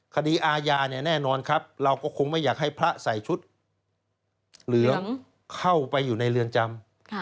คดีอาญาเนี่ยแน่นอนครับเราก็คงไม่อยากให้พระใส่ชุดเหลืองเข้าไปอยู่ในเรือนจำ